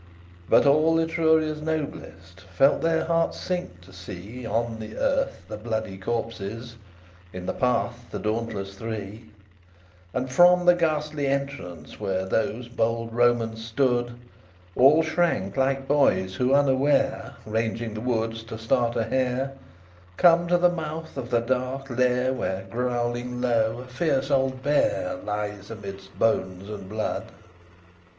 XLIX But all Etruria's noblest Felt their hearts sink to see On the earth the bloody corpses, In the path the dauntless Three: And, from the ghastly entrance Where those bold Romans stood, All shrank, like boys who unaware, Ranging the woods to start a hare, Come to the mouth of the dark lair Where, growling low, a fierce old bear Lies amidst bones and blood.